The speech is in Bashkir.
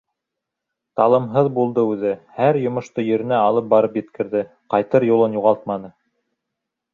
Талымһыҙ булды үҙе, һәр йомошто еренә алып барып еткерҙе, ҡайтыр юлын юғалтманы.